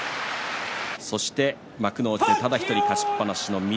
そして幕内でただ１人勝ちっぱなしの翠